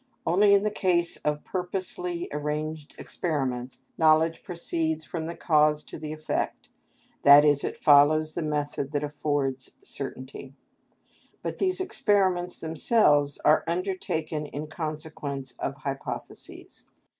Only in the case of purposely arranged experiments, knowledge proceeds from the cause to the effect, that is, it follows the method that affords certainty; but these experiments themselves are undertaken in consequence of hypotheses.